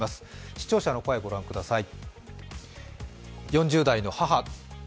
視聴者の声、ご覧ください。